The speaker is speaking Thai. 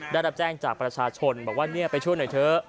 ได้รับแจ้งจากประชาชนบอกว่าไปช่วยหน่อยเถอะ